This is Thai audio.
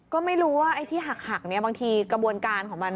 ก็ไม่รู้ว่าไอ้ที่หักเนี่ยบางทีกระบวนการของมัน